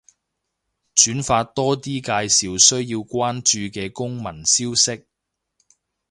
轉發多啲介紹需要關注嘅公民消息